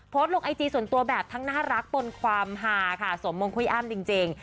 โพสต์ลงไอจีส่วนตัวแบบทั้งน่ารักบนความหาค่ะสมมงคุ้ยอ้ำจริง